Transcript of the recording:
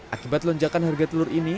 akibat lonjakan harga telur ini